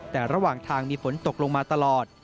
แต่ระหว่างทางมีฝนตกลงมาตลอด